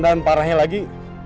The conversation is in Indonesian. dan parahnya lagi